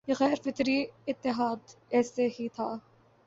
یہ غیر فطری اتحاد ایسے ہی تھا